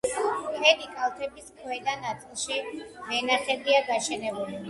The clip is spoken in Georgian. ქედი კალთების ქვედა ნაწილში ვენახებია გაშენებული.